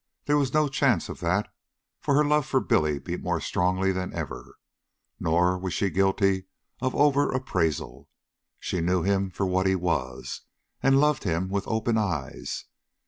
There was no chance of that, for her love for Billy beat more strongly than ever. Nor was she guilty of over appraisal. She knew him for what he was, and loved him with open eyes.